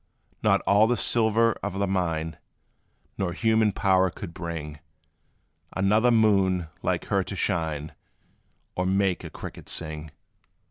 Not all the silver of the mine, Nor human power could bring Another moon like her to shine, Or make a cricket sing.